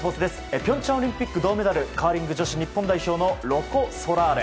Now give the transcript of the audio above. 平昌オリンピック銅メダルカーリング女子日本代表のロコ・ソラーレ。